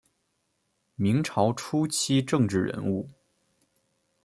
明朝初期政治人物。